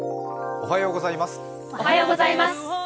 おはようございます。